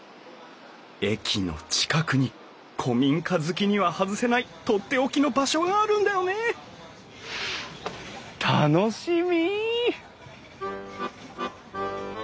駅の近くに古民家好きには外せないとっておきの場所があるんだよね楽しみ！